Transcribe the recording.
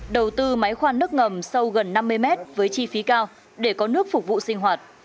đầu tư máy khoan nước ngầm sâu gần năm mươi mét với chi phí cao để có nước phục vụ sinh hoạt